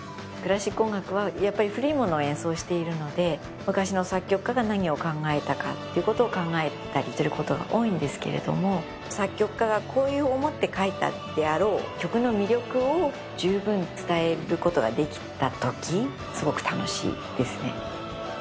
クラシック音楽はやっぱり古いものを演奏しているので昔の作曲家が何を考えたかっていうことを考えたりすることが多いんですけれども作曲家がこう思って書いたであろう曲の魅力を充分に伝えることができたときすごく楽しいですね。